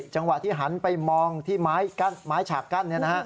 จังหวะที่หันไปมองที่ไม้ฉากกั้น